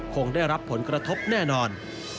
คงได้รับผลกระทบแน่นอน